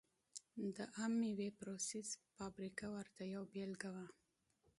د عم مېوې پروسس فابریکه ورته یوه بېلګه وه.